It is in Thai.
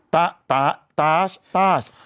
ต้าาตลาด